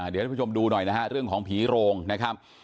เดี๋ยวพระชมดูหน่อยนะเรื่องของพิโรงนะครับ